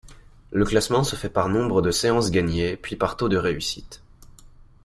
Le classement se fait par nombre de séances gagnées, puis par taux de réussite.